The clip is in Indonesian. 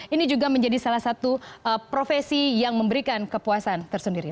ini juga menjadi salah satu profesi yang memberikan kepuasan tersendiri